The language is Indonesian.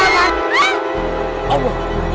ya duh hancur